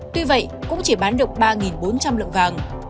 tuy vậy cũng chỉ bán được ba bốn trăm linh lượng vàng